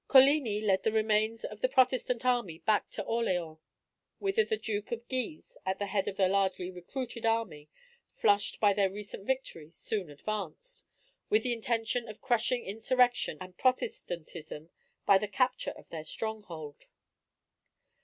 Coligni led the remains of the Protestant army back to Orleans; whither the Duke of Guise, at the head of a largely recruited army, flushed by their recent victory, soon advanced, with the intention of crushing insurrection and Protestantism, by the capture of their stronghold.